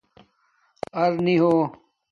اَرنی ہو